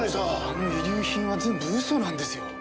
あの遺留品は全部嘘なんですよ。